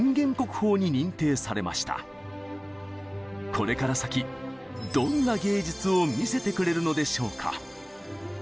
これから先どんな芸術を見せてくれるのでしょうか。